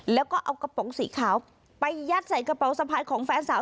แล้วก็เอากระป๋องสีขาวไปยัดใส่กระเป๋าสะพายของแฟนสาว